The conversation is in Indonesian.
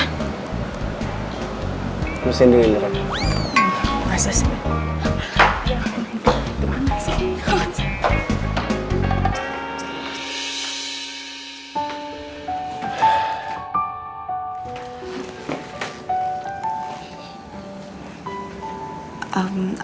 hai mesinnya ini pas aku ke kabar mandi beli emas